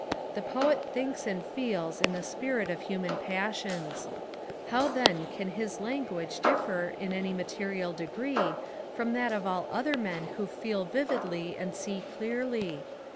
The Poet thinks and feels in the spirit of human passions. How, then, can his language differ in any material degree from that of all other men who feel vividly and see clearly?